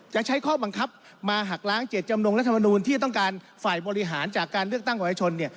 จะใช้ข้อบังคับมาหักล้างเจตจำนงรัฐมนูลที่ต้องการฝ่ายบริหารจากการเลือกตั้งประชาชน